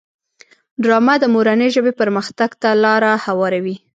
ډرامه د مورنۍ ژبې پرمختګ ته لاره هواروي